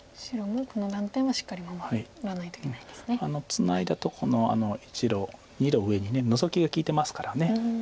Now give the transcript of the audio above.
ツナいだとこの２路上にノゾキが利いてますから。